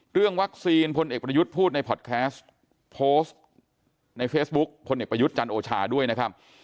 เรื่องวัคซีนฮอพูดในพอดแคสต์โพสต์ในเฟซบุ๊กพนักประยุทธ์จันโอชาด้วยนะครับ